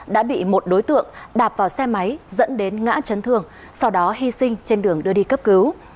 đã bị một đối tượng đạp vào xe máy dẫn đến ngã chấn thương sau đó hy sinh trên đường đưa đi cấp cứu